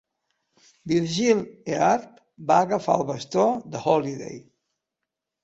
Virgil Earp va agafar el bastó de Holliday.